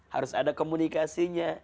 harus ada komunikasinya